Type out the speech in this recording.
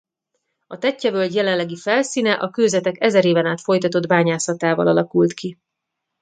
A Tettye-völgy jelenlegi felszíne a kőzetek ezer éven át folytatott bányászatával alakult ki.